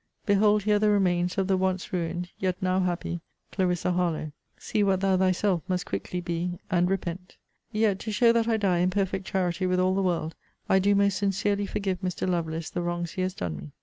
behold here the remains of the once ruined, yet now happy, Clarissa Harlowe! See what thou thyself must quickly be; and REPENT! ' Yet, to show that I die in perfect charity with all the world, I do most sincerely forgive Mr. Lovelace the wrongs he has done me.